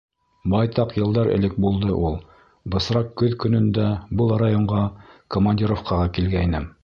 Байтаҡ йылдар элек булды ул. Бысраҡ көҙ көнөндә был районға командировкаға килгәйнем.